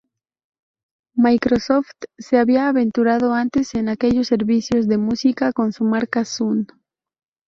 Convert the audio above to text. Microsoft se había aventurado antes en aquellos servicios de música con su marca Zune.